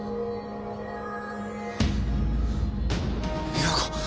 美和子！？